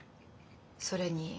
それに。